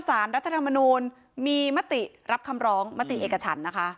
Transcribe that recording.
สารรัฐธรรมนูลมีมติรับคำร้องมติเอกฉันนะคะ